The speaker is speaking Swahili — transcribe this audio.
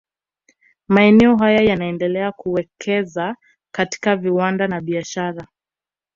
Maeneo haya yanaendelea kuwekeza katika viwanda na biashara